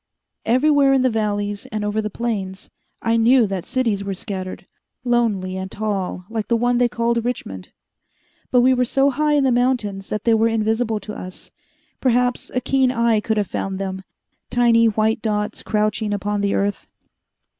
Everywhere in the valleys and over the plains, I knew that cities were scattered, lonely and tall like the one they called Richmond. But we were so high in the mountains that they were invisible to us perhaps a keen eye could have found them, tiny white dots crouching upon the earth.